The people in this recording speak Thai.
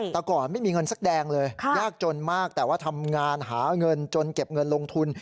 แต่ก่อนไม่มีเงินสักแดงเลยยากจนมากแต่ว่าทำงานหาเงินจนเก็บเงินลงทุน